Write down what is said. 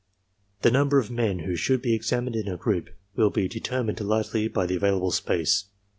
The number of men who should be examined in a group will be determined largely by the available space.